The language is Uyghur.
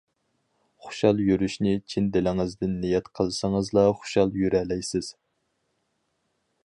خۇشال يۈرۈشنى چىن دىلىڭىزدىن نىيەت قىلسىڭىزلا خۇشال يۈرەلەيسىز.